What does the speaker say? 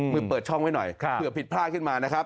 มือเปิดช่องไว้หน่อยเผื่อผิดพลาดขึ้นมานะครับ